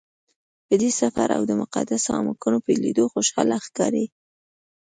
په دې سفر او د مقدسو اماکنو په لیدلو خوشحاله ښکاري.